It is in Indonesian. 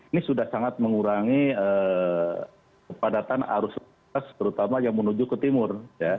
ini sudah sangat mengurangi kepadatan arus terutama yang menuju ke timur